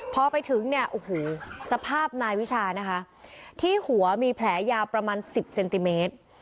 พอไปถึงเนี่ยโอ้โหสภาพนายวิชานะคะที่หัวมีแผลยาวประมาณ๑๐เซนติเมตร